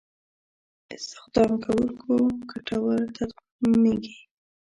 استخداموونکو ګټور تمامېږي.